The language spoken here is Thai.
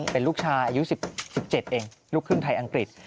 เป็นลูกชายอายุ๑๗เองลูกครึ่งไทยอังกฤษ